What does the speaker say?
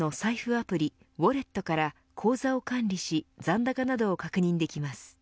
アプリウォレットから口座を管理し残高などを確認できます。